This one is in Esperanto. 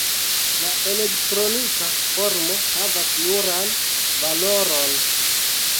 La elektronika formo havas juran valoron.